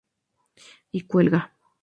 Y cuelga.